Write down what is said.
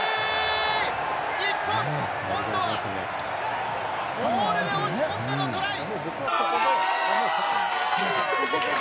日本、今度はモールで押し込んでのトライ。